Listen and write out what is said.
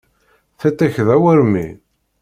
Tiṭ-ik d awermi.